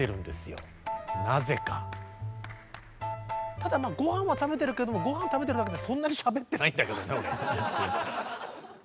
ただまあごはんは食べてるけどごはん食べてるだけでそんなにしゃべってないんだけどね俺。